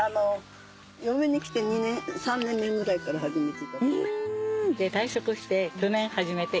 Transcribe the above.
嫁に来て３年目ぐらいから始めて。